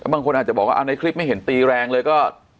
บางคนอาจจะบอกว่าในคลิปไม่เห็นตีแรงเลยก็